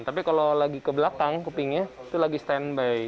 tapi kalau lagi ke belakang kupingnya itu lagi standby